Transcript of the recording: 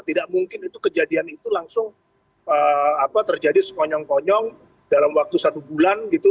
tidak mungkin itu kejadian itu langsung terjadi sekonyong konyong dalam waktu satu bulan gitu